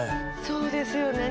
そうですよね。